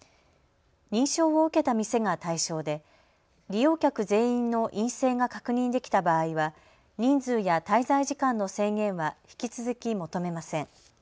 認証を受けた店が対象で利用客全員の陰性が確認できた場合は人数や滞在時間の制限は引き続き求めません。